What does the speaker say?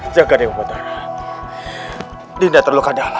jaga dengan betul dinda terluka dalam